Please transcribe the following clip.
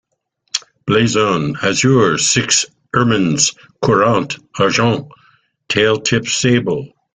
Blazon: Azure, six ermines courant argent, tail-tips sable.